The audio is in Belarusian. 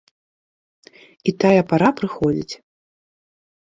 І тая пара прыходзіць.